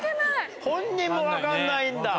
本人も分かんないんだ。